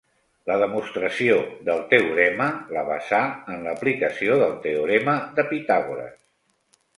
La demostració del teorema la basà en l'aplicació del teorema de Pitàgores.